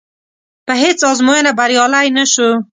په هېڅ ازموینه بریالی نه شو.